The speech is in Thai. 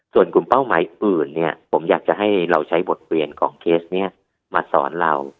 ส่วนกลุ่มเป้าหมายอื่นเนี่ยผมอยากจะให้เราใช้บทเรียนของเคสนี้มาสอนเรา